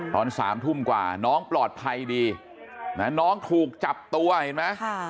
ตอน๓ทุ่มกว่าน้องปลอดภัยดีนะน้องถูกจับตัวเห็นไหม